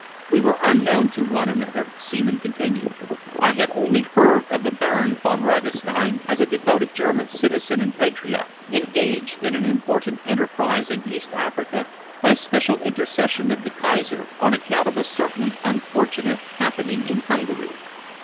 "We were unknown to one another," Seaman continued. "I had only heard of the Baron Von Ragastein as a devoted German citizen and patriot, engaged in an important enterprise in East Africa by special intercession of the Kaiser, on account of a certain unfortunate happening in Hungary."